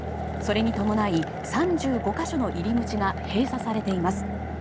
それに伴い、３５か所の入り口が閉鎖されています。